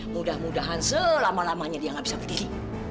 mudah mudahan selama lamanya dia nggak bisa berdiri